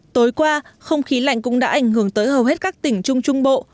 tối qua không khí lạnh cũng đã ảnh hưởng tới hầu hết các tỉnh trung trung bộ